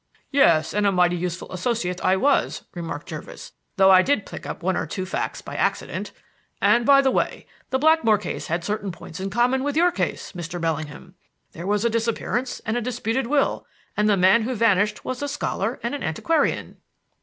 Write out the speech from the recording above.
"Yes, and a mighty useful associate I was," remarked Jervis, "though I did pick up one or two facts by accident. And, by the way, the Blackmore case had certain points in common with your case, Mr. Bellingham. There was a disappearance and a disputed will, and the man who vanished was a scholar and an antiquarian."